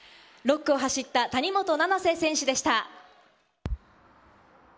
６区を走った谷本七星選手でした。